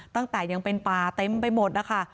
ตั้งแต่ยังเป็นป่าเต็มไปหมดนะคะ